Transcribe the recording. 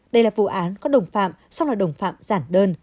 đây là vụ án có đồng phạm sau đó đồng phạm giản đơn